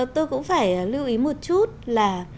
tôi cũng phải lưu ý một chút là